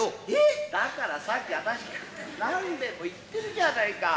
だからさっきあたしが何べんも言ってるじゃないか。